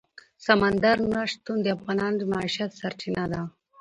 سمندر نه شتون د افغانانو د معیشت سرچینه ده.